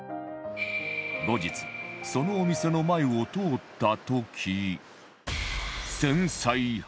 後日そのお店の前を通った時